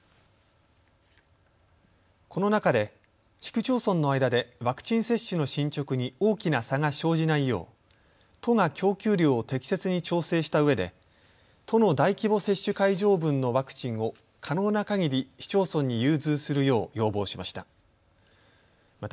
この中で市区町村の間でワクチン接種の進捗に大きな差が生じないよう都が供給量を適切に調整したうえで都の大規模接種会場分のワクチンを可能なかぎり市町村に融通するよう要望しました。